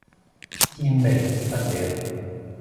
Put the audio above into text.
煙味不了